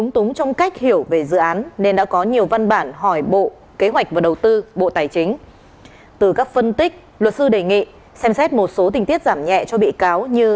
từ các phân tích luật sư đề nghị xem xét một số tình tiết giảm nhẹ cho bị cáo như